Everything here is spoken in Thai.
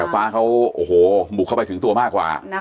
ฟ้าเขาโอ้โหบุกเข้าไปถึงตัวมากกว่า